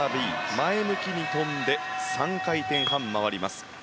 前向きに飛んで３回転半回ります。